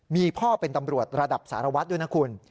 มีพ่อเป็นตำรวจระดับสารวัตรด้วยนะคุณ